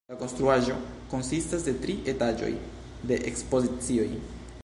La konstruaĵo konsistas de tri etaĝoj de ekspozicioj.